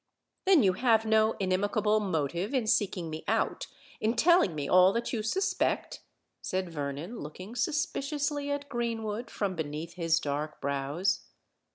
"Then you have no inimical motive in seeking me out—in telling me all that you suspect?" said Vernon, looking suspiciously at Greenwood from beneath his dark brows.